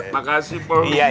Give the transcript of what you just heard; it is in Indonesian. pak ustad makasih pak ustad